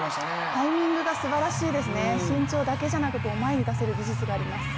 タイミングがすばらしいですね、身長だけじゃなくて前に出せる技術があります。